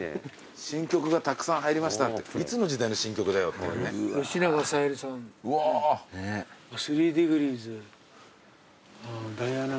「新曲がたくさん入りました」っていつの時代の新曲だよっていうね。